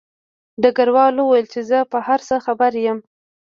ډګروال وویل چې زه په هر څه خبر یم